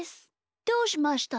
どうしました？